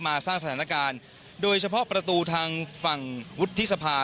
สร้างสถานการณ์โดยเฉพาะประตูทางฝั่งวุฒิสภา